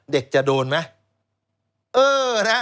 เด็กจะโดนไหม